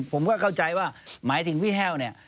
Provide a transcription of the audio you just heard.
ผมก็เข้าใจว่าหมายถึงพี่แห้วเนี่ย